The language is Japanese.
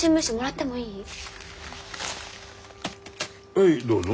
はいどうぞ。